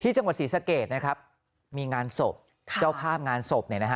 จังหวัดศรีสะเกดนะครับมีงานศพเจ้าภาพงานศพเนี่ยนะฮะ